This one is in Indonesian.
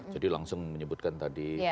jadi langsung menyebutkan tadi